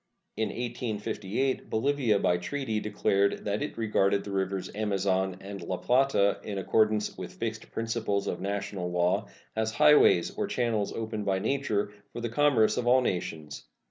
In 1858 Bolivia by treaty declared that it regarded the rivers Amazon and La Plata, in accordance with fixed principles of national law, as highways or channels opened by nature for the commerce of all nations.